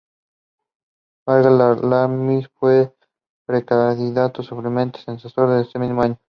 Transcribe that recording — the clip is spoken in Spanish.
Vega de Lamadrid fue precandidato suplente a senador ese mismo año.